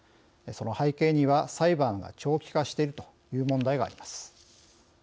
その背景には裁判が長期化しているという問題があります。